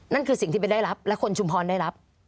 นั่นคือสิ่งที่ไปได้รับและคนชุมพรได้รับ